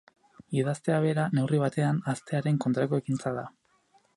Idaztea bera, neurri batean, ahaztearen kontrako ekintza da.